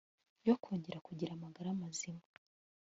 yo kongera kugira amagara mazima